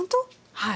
はい。